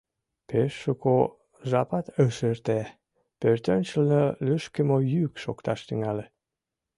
Пеш шуко жапат ыш эрте — пӧртӧнчылнӧ лӱшкымӧ йӱк шокташ тӱҥале.